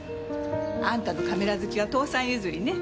あんたのカメラ好きは父さん譲りね。